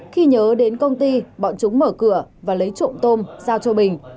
khi nhớ đến công ty bọn chúng mở cửa và lấy trộm tôm giao cho bình